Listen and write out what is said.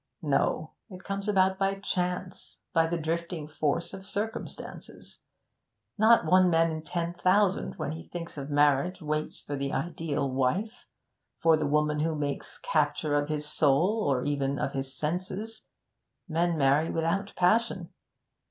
No; it comes about by chance by the drifting force of circumstances. Not one man in ten thousand, when he thinks of marriage, waits for the ideal wife for the woman who makes capture of his soul or even of his senses. Men marry without passion.